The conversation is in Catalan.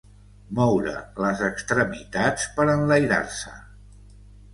Moure les extremitats per enlairar-se.